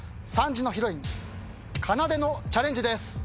３時のヒロインかなでのチャレンジです。